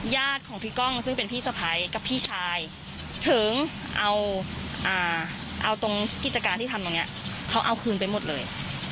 ญาติของพี่ก้องซึ่งเป็นพี่สะพ้ายกับพี่ชายถึงเอาตรงกิจการที่ทำตรงนี้เขาเอาคืนไปหมดเลย